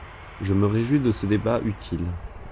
Je me réjouis de ce débat utile.